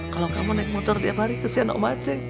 kalau kamu naik motor tiap hari kesian om acing